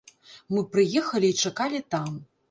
Мы прыехалі і чакалі там.